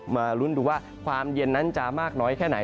มาลุ้นดูว่าความเย็นนั้นจะมากน้อยแค่ไหน